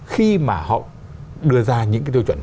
khi mà họ đưa ra những cái tiêu chuẩn